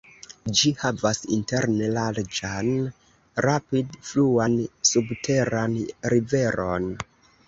Ĝi havas interne larĝan rapid-fluan subteran riveron.